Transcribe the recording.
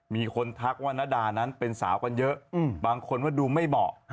มีคนทักว่าณดานั้นเป็นสาวกันเยอะบางคนว่าดูไม่เหมาะ